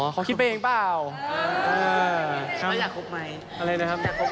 อ๋อเขาคิดไปเองเปล่า